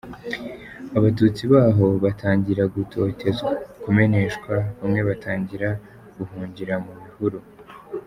Abatutsi baho batangira gutotezwa, kumeneshwa, bamwe batangira guhungira mu bihuru.